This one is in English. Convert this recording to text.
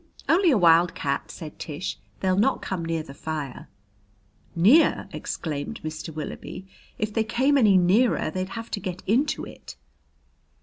"Only a wildcat," said Tish. "They'll not come near the fire." "Near!" exclaimed Mr. Willoughby. "If they came any nearer, they'd have to get into it!"